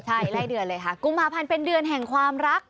ใช่ไล่เดือนเลยค่ะกุมภาพันธ์เป็นเดือนแห่งความรัก